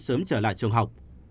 sớm trở lại trường học